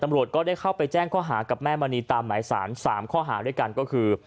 ก็ได้เข้าไปแจ้งข้อหากับแม่มณีตามหมายสาร๓ข้อหาด้วยกันก็คือ